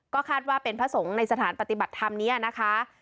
ก็คาดว่าเป็นพระสงฆ์ในสถานปฏิบัติธรรมนี้นะคะ